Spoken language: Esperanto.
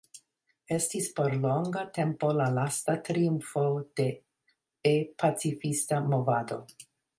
Estis por longa tempo la lasta triumfo de E-pacifista movado.